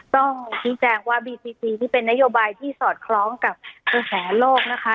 ต้องชี้แจงว่าบีซีซีนี่เป็นนโยบายที่สอดคล้องกับกระแสโลกนะคะ